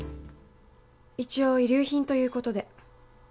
一応遺留品という事で。